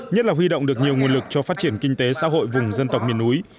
nhất là huy động được nhiều nguồn lực cho phát triển kinh tế xã hội vùng dân tộc miền núi